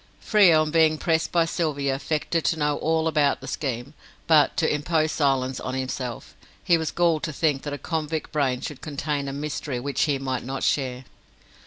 Frere, on being pressed by Sylvia, affected to know all about the scheme, but to impose silence on himself. He was galled to think that a convict brain should contain a mystery which he might not share.